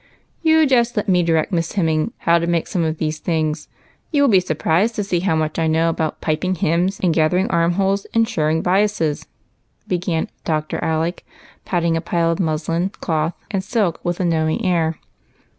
" You just let me direct Miss Hemming how to make some of these things. You will be surprised to see how much I knoAV about piping hems and gathering arm holes and shirring biases," began Dr. Alec, pat ting a pile of muslin, cloth, and silk with a knowing air.